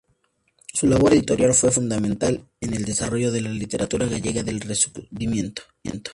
Su labor editorial fue fundamental en el desarrollo de la literatura gallega del Rexurdimento.